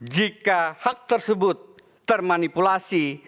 jika hak tersebut termanipulasi